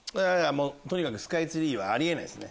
とにかくスカイツリーはあり得ないですね。